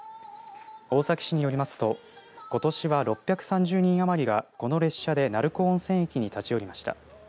大崎市によりますとことしは６３０人余りがこの列車で鳴子温泉に立ち寄りました。